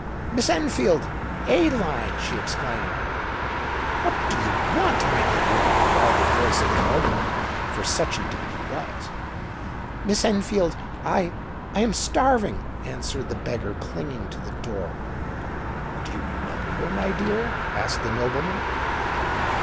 "Miss Enfield—Adeline!" she exclaimed. "What do you want, my good woman?" cried the voice of the nobleman—for such indeed he was. "Miss Enfield—I—I am starving!" answered the beggar, clinging to the door. "Do you know her, my dear?" asked the nobleman.